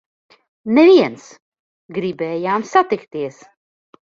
Neviens! Gribējām satikties!